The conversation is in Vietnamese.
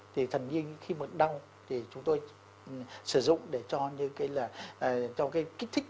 thì thật nhiên khi mà đau thì chúng tôi sử dụng để cho cái kích thích